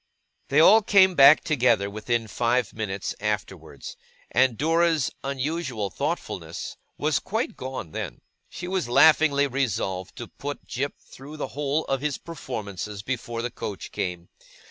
They all came back together within five minutes afterwards, and Dora's unusual thoughtfulness was quite gone then. She was laughingly resolved to put Jip through the whole of his performances, before the coach came.